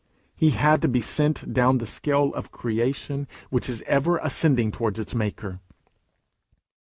He had to be sent down the scale of creation which is ever ascending towards its Maker.